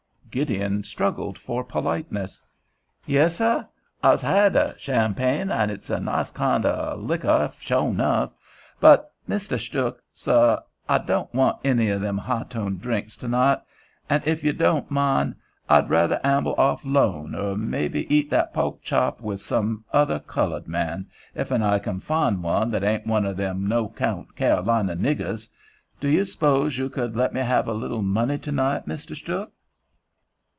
Gideon struggled for politeness. "Yes, seh, I's had champagne, and it's a nice kind of lickeh sho enough; but, Misteh Stuhk, seh, I don' want any of them high tone drinks to night, an' ef yo' don' mind, I'd rather amble off 'lone, or mebbe eat that po'k chop with some otheh cullud man, ef I kin fin' one that ain' one of them no 'count Carolina niggers. Do you s'pose yo' could let me have a little money to night, Misteh Stuhk?"